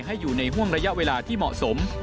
ให้อยู่ในห่วงระยะเวลาที่เหมาะสม